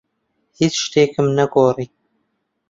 هیچ شتێکم نەگۆڕی.